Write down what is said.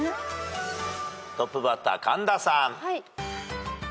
トップバッター神田さん。